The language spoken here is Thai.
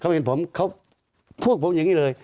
เขาเห็นผมเขาพวกผมอย่างนี้เลย